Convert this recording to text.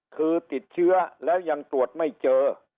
คือติดเชื้อแล้วยังตรวจไม่เจอ